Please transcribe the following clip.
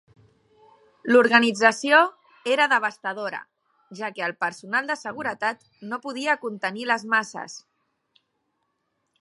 L'organització era devastadora, ja que el personal de seguretat no podia contenir les masses.